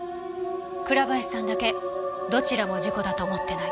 倉林さんだけどちらも事故だと思ってない。